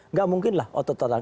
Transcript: enggak mungkin lah otototan